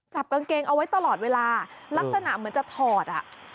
จับกางเกงเอาไว้ตลอดเวลาลักษณะเหมือนจะถอดอ่ะ